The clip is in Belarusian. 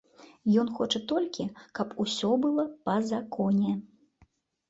Ён хоча толькі, каб усё было па законе.